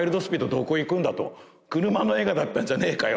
どこいくんだと車の映画だったんじゃねぇかよ